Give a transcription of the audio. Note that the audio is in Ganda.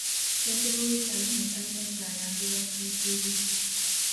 Ssentebe w’ekyalo kino talina ky’ayambye batuuze be.